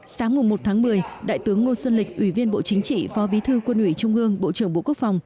sáng một một mươi đại tướng ngô xuân lịch ủy viên bộ chính trị phó bí thư quân ủy trung ương bộ trưởng bộ quốc phòng